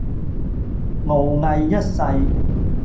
傲睨一世